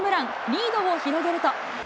リードを広げると。